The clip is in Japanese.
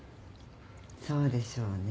そうでしょうね。